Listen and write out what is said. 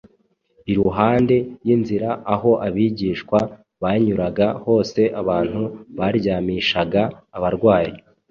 Iruhande y’inzira aho abigishwa banyuraga hose, abantu baryamishaga abarwayi